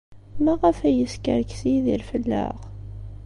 Maɣef ay yeskerkes Yidir fell-aɣ?